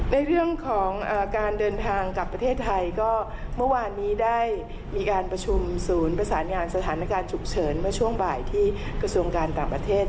ในเรื่องของการเดินทางกลับประเทศไทยก็เมื่อวานนี้ได้มีการประชุมศูนย์ประสานงานสถานการณ์ฉุกเฉินเมื่อช่วงบ่ายที่กระทรวงการต่างประเทศ